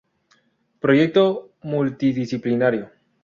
Proyecto multidisciplinario.